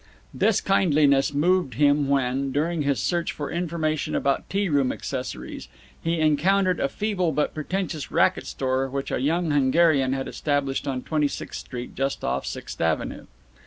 This kindliness moved him when, during his search for information about tea room accessories, he encountered a feeble but pretentious racket store which a young Hungarian had established on Twenty sixth Street, just off Sixth Avenue.